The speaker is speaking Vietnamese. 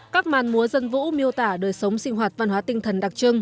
các màn múa dân vũ miêu tả đời sống sinh hoạt văn hóa tinh thần đặc trưng